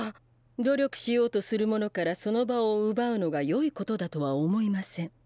努力しようとする者からその場を奪うのが良いことだとは思いません。